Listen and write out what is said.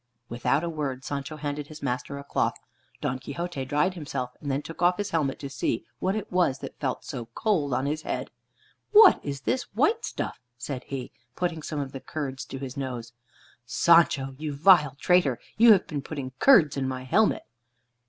Without a word, Sancho handed to his master a cloth. Don Quixote dried himself, and then took off his helmet to see what it was that felt so cold on his head. "What is this white stuff?" said he, putting some of the curds to his nose. "Sancho, you vile traitor, you have been putting curds in my helmet!"